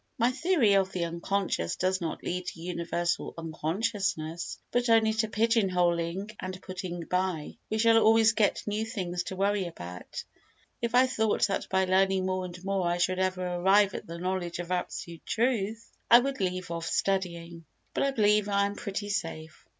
My theory of the unconscious does not lead to universal unconsciousness, but only to pigeon holing and putting by. We shall always get new things to worry about. If I thought that by learning more and more I should ever arrive at the knowledge of absolute truth, I would leave off studying. But I believe I am pretty safe.